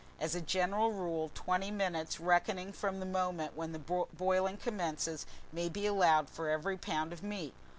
As a general rule, twenty minutes, reckoning from the moment when the boiling commences, may be allowed for every pound of meat.